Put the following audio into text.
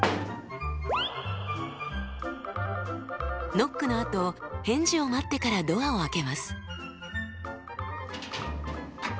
ノックのあと返事を待ってからドアを開けます。